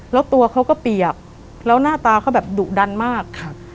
แล้วตัวเขาก็เปียบและหน้าตาเขาดุดันมาก